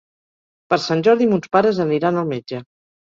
Per Sant Jordi mons pares aniran al metge.